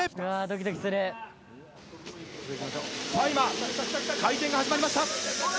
今回転が始まりました。